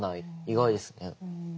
意外ですね。